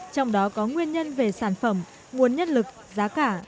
trong đó có nguyên nhân về sản phẩm nguồn nhân lực giá cả